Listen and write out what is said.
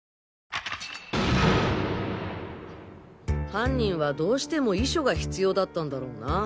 犯人はどうしても遺書が必要だったんだろうな。